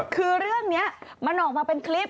คือเรื่องนี้มันออกมาเป็นคลิป